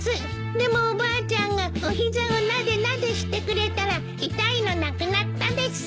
でもおばあちゃんがお膝をなでなでしてくれたら痛いのなくなったです。